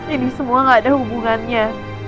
ini semua gak ada hubungannya